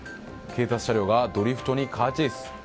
警察車両がドリフトにカーチェイス。